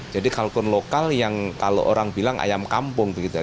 jadi kalkun lokal yang kalau orang bilang ayam kampung begitu